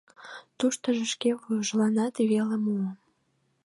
Туштыжо шке вуйжыланак веле муо...